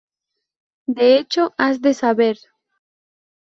de hecho has de saber